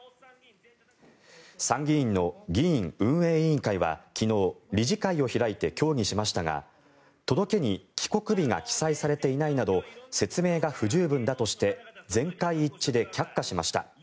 参議院の議院運営委員会は昨日理事会を開いて協議しましたが届けに帰国日が記載されていないなど説明が不十分だとして全会一致で却下しました。